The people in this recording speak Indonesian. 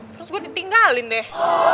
terus gua ditinggalin deh